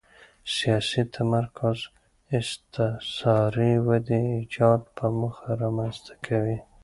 سیاسي تمرکز استثاري ودې ایجاد په موخه رامنځته کوي.